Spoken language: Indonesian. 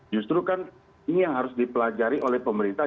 justru kan ini yang harus dipelajari oleh pemerintah